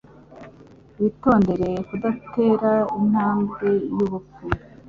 Witondere kudatera intambwe yubupfu.